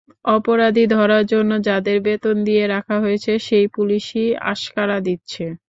অপরাধী ধরার জন্য যাদের বেতন দিয়ে রাখা হয়েছে, সেই পুলিশই আশকারা দিচ্ছে।